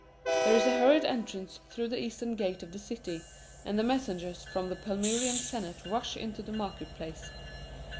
There is a hurried entrance through the eastern gate of the city, and the messengers from the Palmyrean senate rush into the Market place.